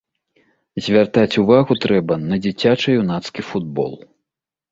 Звяртаць увагу трэба на дзіцяча-юнацкі футбол.